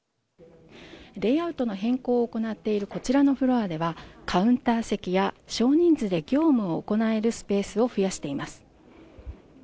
レイアウトの変更を行っているこちらのフロアではカウンター席や少人数で業務を行えるスペースを増やしています。